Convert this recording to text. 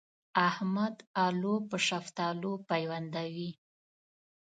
احمد الو په شفتالو پيوندوي.